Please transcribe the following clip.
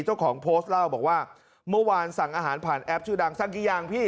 เจ้าของโพสต์เล่าบอกว่าเมื่อวานสั่งอาหารผ่านแอปชื่อดังสักกี่อย่างพี่